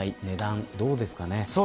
値段、どうですかね。